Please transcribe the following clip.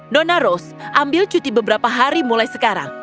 nona rose ambil cuti beberapa hari mulai sekarang